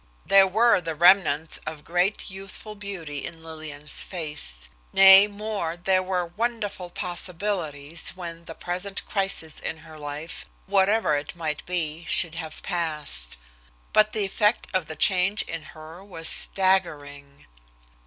There were the remnants of great youthful beauty in Lillian's face. Nay, more, there were wonderful possibilities when the present crisis in her life, whatever it might be, should have passed. But the effect of the change in her was staggering.